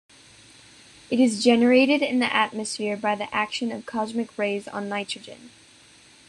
It is generated in the atmosphere by the action of cosmic rays on nitrogen.